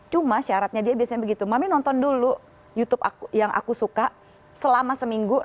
cuma syaratnya dia biasanya begitu mami nonton dulu youtube yang aku suka selama seminggu